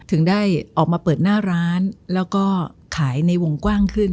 ถึงได้ออกมาเปิดหน้าร้านแล้วก็ขายในวงกว้างขึ้น